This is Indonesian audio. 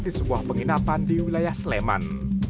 di sebuah penginapan di wilayah sleman